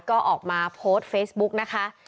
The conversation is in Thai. ก็ออกมาโพสต์เฟซบุ๊กนะคะ